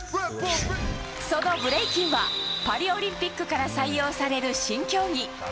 そのブレイキンはパリオリンピックから採用される新競技。